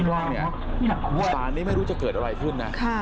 ถ้าหลังอันนี้ไม่รู้จะเกิดอะไรขึ้น